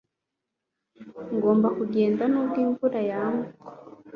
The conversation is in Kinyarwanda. Ngomba kugenda nubwo imvura yagwa